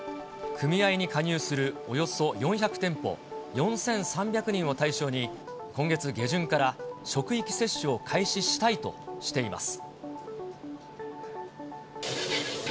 組合に加入するおよそ４００店舗４３００人を対象に、今月下旬から職域接種を開始したいとしています。